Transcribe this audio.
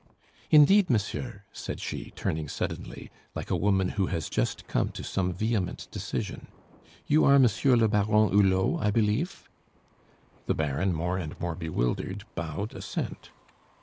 "Indeed, monsieur?" said she, turning suddenly, like a woman who has just come to some vehement decision, "you are Monsieur le Baron Hulot, I believe?" The Baron, more and more bewildered, bowed assent.